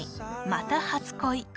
「また、初恋」